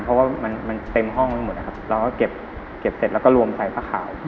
เพราะว่ามันเต็มห้องไปหมดนะครับเราก็เก็บเสร็จแล้วก็รวมใส่ผ้าขาว